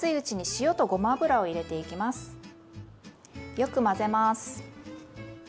よく混ぜます。